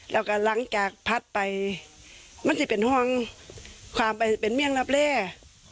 แล้วก็หลังจากพัดไปมันจะเป็นห้องความไปเป็นเมี่ยงรับแร่